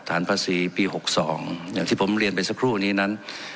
ฐานภาษีปี๖๒อย่างที่ผมเรียนไปสักครู่นี้นั้น